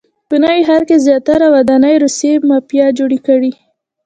په نوي ښار کې زیاتره ودانۍ روسیې مافیا جوړې کړي.